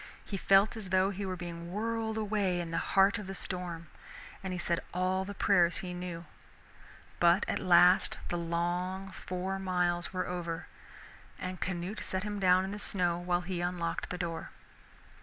He felt as though he were being whirled away in the heart of the storm, and he said all the prayers he knew. But at last the long four miles were over, and Canute set him down in the snow while he unlocked the door.